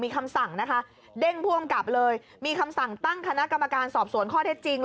มีคำสั่งนะคะเด้งผู้อำกับเลยมีคำสั่งตั้งคณะกรรมการสอบสวนข้อเท็จจริง